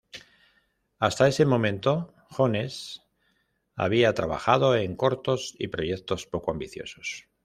Hasta ese momento, Jones había trabajado en cortos y proyectos poco ambiciosos.